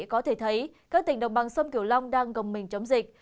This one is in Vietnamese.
các tỉnh đồng bằng sông kiểu long đang gồng mình chống dịch